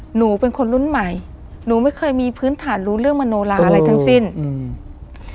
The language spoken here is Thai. หนูเป็นคนรุ่นใหม่หนูไม่เคยมีพื้นฐานรู้เรื่องมโนลาอะไรทั้งสิ้นอืม